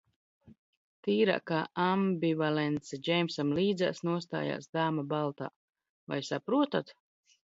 "Tīrākā ambivalence," Džeimsam līdzās nostājas dāma baltā, "vai saprotat?"